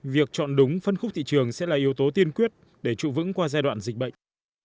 việc chọn đúng phân khúc thị trường sẽ là yếu tố tiên quyết để trụ vững qua giai đoạn dịch bệnh